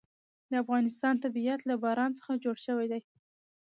د افغانستان طبیعت له باران څخه جوړ شوی دی.